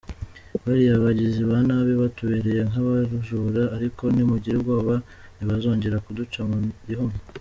Bariya bagizi ba nabi batubereye nk’abajura, ariko ntimugire ubwoba ntibazongera kuduca mu rihumye.